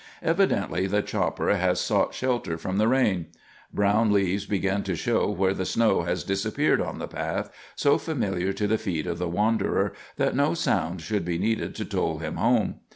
Evidently the chopper has sought shelter from the rain. Brown leaves begin to show where the snow has disappeared on the path, so familiar to the feet of the wanderer that no sound should be needed to toll him home.